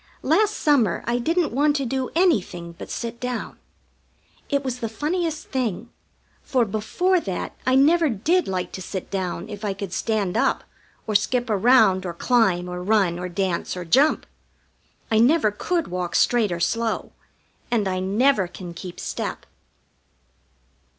Last summer I didn't want to do anything but sit down. It was the funniest thing, for before that I never did like to sit down if I could stand up, or skip around, or climb, or run, or dance, or jump. I never could walk straight or slow, and I never can keep step.